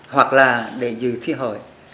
hoặc là để dự thi hội